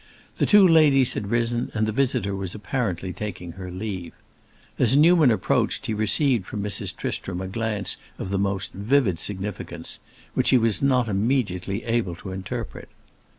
The two ladies had risen and the visitor was apparently taking her leave. As Newman approached, he received from Mrs. Tristram a glance of the most vivid significance, which he was not immediately able to interpret.